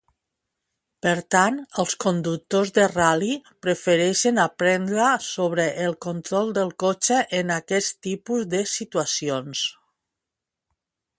Per tant, els conductors de ral·li prefereixen aprendre sobre el control del cotxe en aquest tipus de situacions.